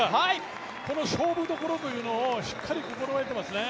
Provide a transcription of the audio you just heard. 勝負どころというのを、しっかり心得ていますね。